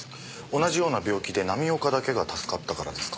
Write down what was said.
同じような病気で浪岡だけが助かったからですか？